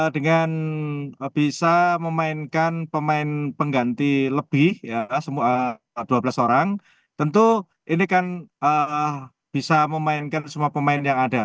dengan bisa memainkan pemain pengganti lebih dua belas orang tentu ini kan bisa memainkan semua pemain yang ada